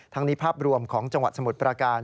นี้ภาพรวมของจังหวัดสมุทรประการ